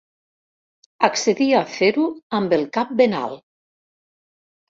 Accedia a fer-ho amb el cap ben alt.